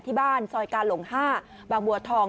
ที่บ้านซอยกาหลง๕บางบัวทอง